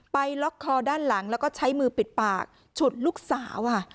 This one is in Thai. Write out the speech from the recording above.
ล็อกคอด้านหลังแล้วก็ใช้มือปิดปากฉุดลูกสาวค่ะ